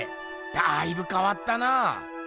だいぶかわったな。